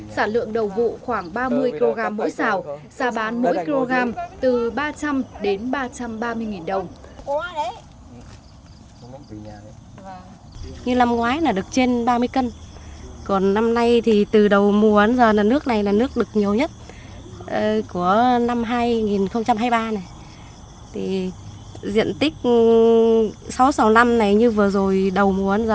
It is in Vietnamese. giả lượng đầu vụ khoảng ba mươi kg mỗi xào giá bán mỗi kg từ ba trăm linh đến ba trăm ba mươi nghìn đồng